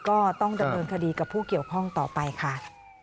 ก็ต้องดำเนินคดีกับผู้เกี่ยวข้องต่อไปค่ะ